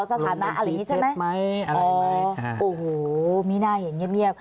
สถานะอะไรอย่างนี้ใช่ไหมอ๋อโอ้โหไม่น่าเห็นเงียบ